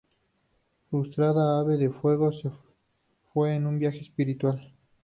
Frustrada, Ave de Fuego, se fue en un viaje espiritual.